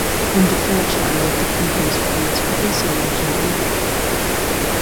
Under Fairchild, the company's feuds were also legendary.